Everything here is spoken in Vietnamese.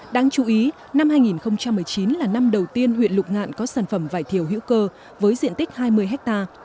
đáng chú ý năm hai nghìn một mươi chín là năm đầu tiên huyện lục ngạn có sản phẩm vải thiều hữu cơ với diện tích hai mươi hectare